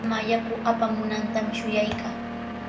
Mamaa yaku apamunantami shuyaykaa.